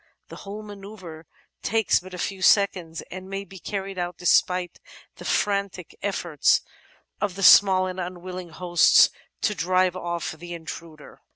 The whole manoeuvre takes but a few seconds and may be carried out despite the frantic eflforts of the small and unwilling hosts to drive off the intruder.